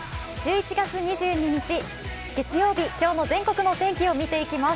１１月２２日月曜日、今日の全国のお天気を見ていきます。